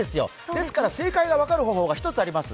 ですから、正解が分かる方法が１つあります。